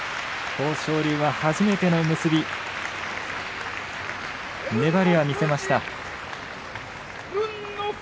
豊昇龍、初めての結び粘りは見せました。